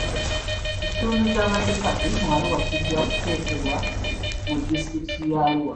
Ekitundu ky'amasekkati mu Arua kijja kuteekebwa mu disitulikiti ya Arua.